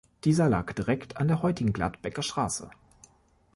Dieser lag direkt an der heutigen Gladbecker Straße.